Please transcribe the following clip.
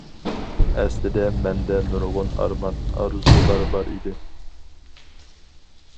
ئەسلىدە مەندە نۇرغۇن ئارمان، ئارزۇلار بار ئىدى.